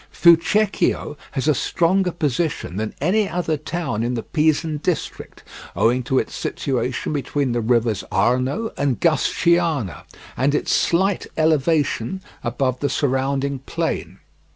Fucecchio has a stronger position than any other town in the Pisan district, owing to its situation between the rivers Arno and Gusciana and its slight elevation above the surrounding plain.